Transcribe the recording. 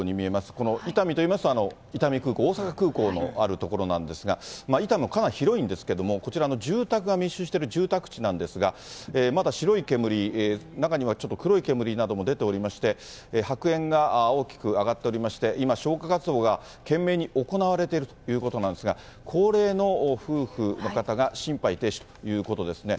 この伊丹といいますと、伊丹空港、大阪空港のある所なんですが、伊丹もかなり広いんですけれども、こちら、住宅が密集している住宅地なんですが、まだ白い煙、中にはちょっと黒い煙なども出ておりまして、白煙が大きく上がっておりまして、今、消火活動が懸命に行われているということなんですが、高齢の夫婦の方が心肺停止ということですね。